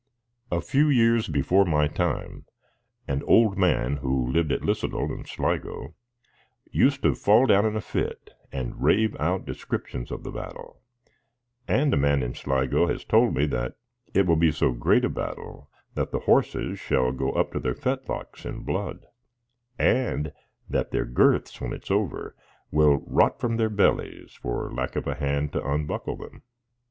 A few years before my time, an old man who lived at Lisadell, in Sligo, used to fall down in a fit and rave out descriptions of the Battle ; and a man in Sligo has told me that it will be so great a battle that the horses shall go up to their fetlocks in blood, and that their girths, when it is over, will rot from their bellies for lack of a hand to unbuckle them.